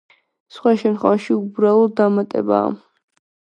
სხვა შემთხვევაში უბრალო დამატებაა.